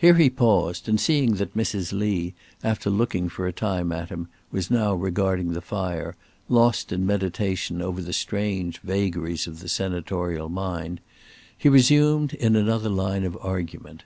Here he paused, and seeing that Mrs. Lee, after looking for a time at him, was now regarding the fire, lost in meditation over the strange vagaries of the senatorial mind, he resumed, in another line of argument.